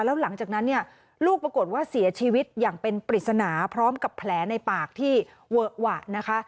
แล้วหลังจากนั้นเนี่ยลูกปรากฏว่าเสียชีวิตอย่างเป็นปริศนาพร้อมกับแผลในปากที่เวอะหวะนะคะ